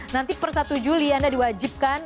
nanti per satu juli anda diwajibkan